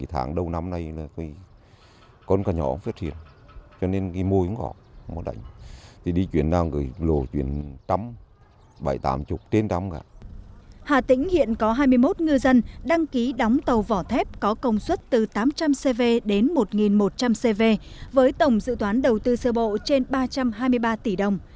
hà tĩnh hiện có hai mươi một ngư dân đăng ký đóng tàu vỏ thép có công suất từ tám trăm linh cv đến một một trăm linh cv với tổng dự toán đầu tư sơ bộ trên ba trăm hai mươi ba tỷ đồng